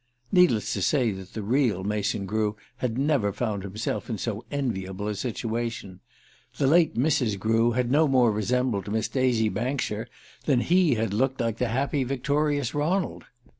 Needless to say that the real Mason Grew had never found himself in so enviable a situation. The late Mrs. Grew had no more resembled Miss Daisy Bankshire than he had looked like the happy victorious Ronald.